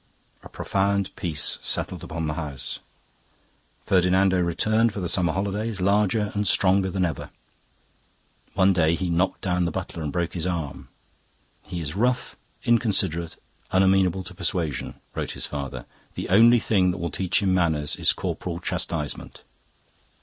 A profound peace settled upon the house. Ferdinando returned for the summer holidays larger and stronger than ever. One day he knocked down the butler and broke his arm. 'He is rough, inconsiderate, unamenable to persuasion,' wrote his father. 'The only thing that will teach him manners is corporal chastisement.